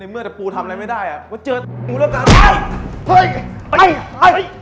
ในเมื่อถ้าปูทำอะไรไม่ได้อ่ะว่าเจอตัว